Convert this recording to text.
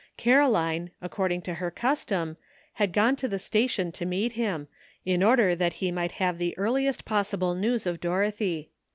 Caroline, according to her custom, had gone to the station to meet him, in order that he might have the earliest possible news of Dorothy.